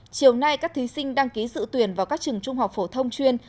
chiều nay các thí sinh đăng ký dự tuyển vào các trường trung học phổ thông chuyên